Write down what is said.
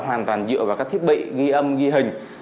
hoàn toàn dựa vào các thiết bị ghi âm ghi hình